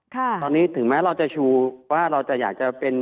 ตอนนี้ถึงแม้เราจะชูว่าเราจะอยากจะเป็น